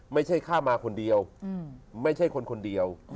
ข้ามาคนเดียวไม่ใช่คนคนเดียว